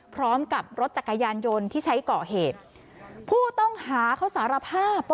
พร้อมกับรถจักรยานยนต์ที่ใช้ก่อเหตุผู้ต้องหาเขาสารภาพว่า